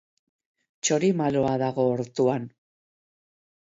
Txorimaloa dago ortuan.